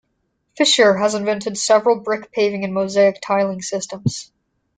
Fisher has invented several brick paving and mosaic tiling systems.